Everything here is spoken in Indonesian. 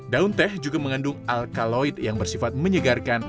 daun teh juga mengandung alkaloid yang bersifat menyegarkan